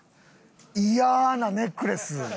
イヤなネックレス。